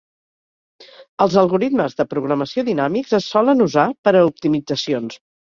Els algoritmes de programació dinàmics es solen usar per a optimitzacions.